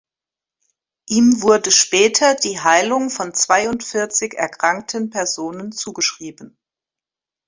Ihm wurde später die Heilung von zweiundvierzig erkrankten Personen zugeschrieben.